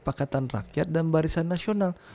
pakatan rakyat dan barisan nasional